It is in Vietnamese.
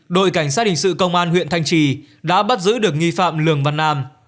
đội cảnh sát hình sự công an huyện thanh trì đã bắt giữ được nghi phạm lường văn nam